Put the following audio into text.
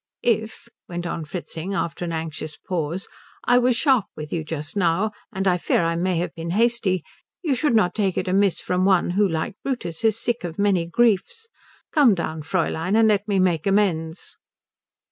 "If," went on Fritzing after an anxious pause, "I was sharp with you just now and I fear I may have been hasty you should not take it amiss from one who, like Brutus, is sick of many griefs. Come down, Fräulein, and let me make amends."